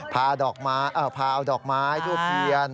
พาดอกไม้เอ่อพาดอกไม้ทั่วเคียน